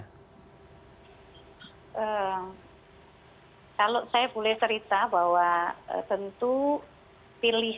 kalau saya boleh seringkali saya ingin mencari pilihan yang lebih baik